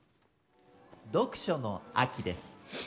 読書の秋です。